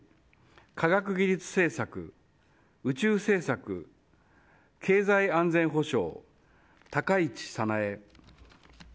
科学技術政策、宇宙政策経済安全保障、高市早苗。